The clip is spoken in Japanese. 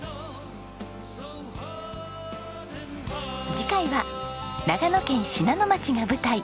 次回は長野県信濃町が舞台。